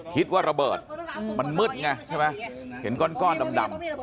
คิดว่าระเบิดมันมืดไงใช่ไหมเห็นก้อนดำ